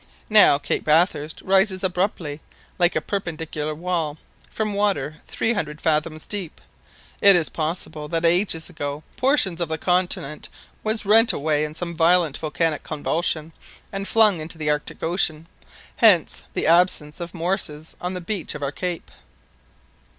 Now Cape Bathurst rises abruptly, like a perpendicular wall, from water three hundred fathoms deep. It is probable that ages ago portion of the continent was rent away in some violent volcanic convulsion, and flung into the Arctic Ocean. Hence the absence of morses on the beach of our cape."